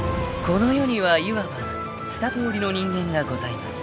［この世にはいわば二通りの人間がございます］